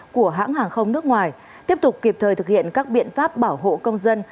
của hãng hàng không nước ngoài tiếp tục kịp thời thực hiện các biện pháp bảo hộ công dân